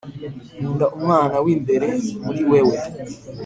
nkunda umwana w'imbere muri wewe